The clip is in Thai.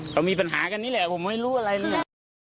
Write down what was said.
เขามีปัญหากันนี่แหละผมไม่รู้อะไรเลย